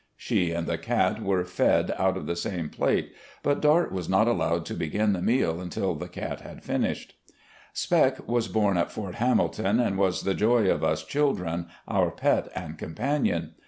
She and the cat were fed out of the same plate, but Dart was not allowed to begin the meal until the cat had finished. Spec was bom at Fort Hamilton and was the joy of us children, our pet and companion.